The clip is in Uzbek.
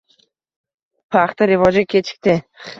Paxta rivoji kechikdi.